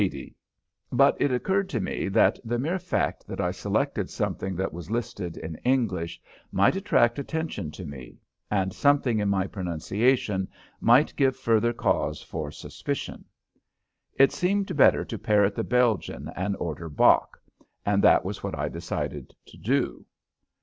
80," but it occurred to me that the mere fact that I selected something that was listed in English might attract attention to me and something in my pronunciation might give further cause for suspicion. It seemed better to parrot the Belgian and order "Bock," and that was what I decided to do.